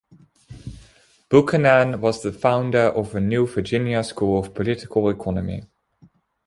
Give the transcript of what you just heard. Buchanan was the founder of a new Virginia school of political economy.